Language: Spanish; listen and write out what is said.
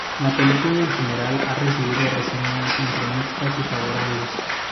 La película en general ha recibido reseñas entre mixtas y favorables.